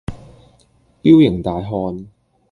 彪形大漢